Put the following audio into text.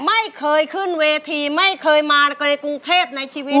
ไม่เคยขึ้นเวทีไม่เคยมาในกรุงเทพในชีวิต